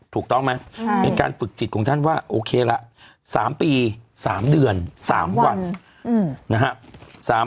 ถูกต้องไหมเป็นการฝึกจิตของท่านว่าโอเคละ๓ปี๓เดือน๓วันนะฮะ